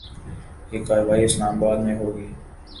یہ کارروائی اسلام آباد میں ہو گی۔